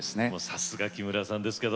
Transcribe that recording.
さすが木村さんですけど。